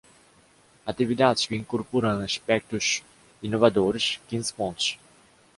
Atividades que incorporam aspectos inovadores, quinze pontos.